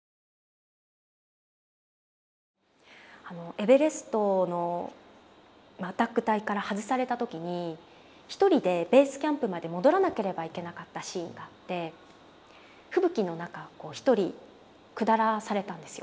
エベレストのアタック隊から外された時に一人でベースキャンプまで戻らなければいけなかったシーンがあって吹雪の中を一人下らされたんですよ。